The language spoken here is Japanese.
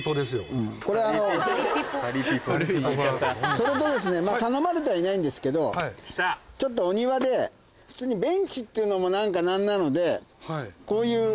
それと頼まれてはいないんですけどちょっとお庭で普通にベンチっていうのも何なのでこういう。